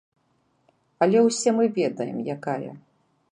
Але ўсе мы ведаем, якая.